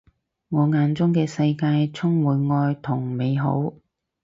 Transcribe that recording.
我眼中嘅世界充滿愛同美好